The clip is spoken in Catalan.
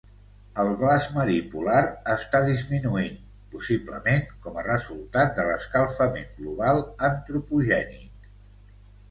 El glaç marí polar està disminuint, possiblement com a resultat de l'escalfament global antropogènic.